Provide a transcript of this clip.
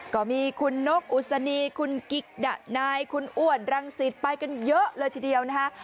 ก็มีคุณนกอุศนีคุณกิ๊กดะนายคุณอ้วนรังสิตไปกันเยอะเลยทีเดียวนะคะ